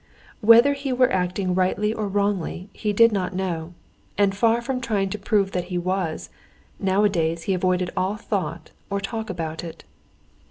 Whether he were acting rightly or wrongly he did not know, and far from trying to prove that he was, nowadays he avoided all thought or talk about it.